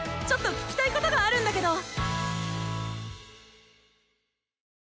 ちょっと聞きたいことがあるんだけど。